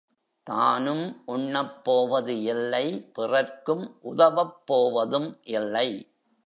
தானும் உண்ணப்போவது இல்லை பிறர்க்கும் உதவப் போவதும் இல்லை.